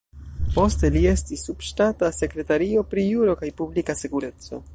Poste, li estis subŝtata sekretario pri Juro kaj Publika Sekureco.